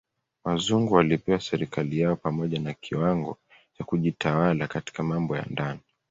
Wazungu walipewa serikali yao pamoja na kiwango cha kujitawala katika mambo ya ndani.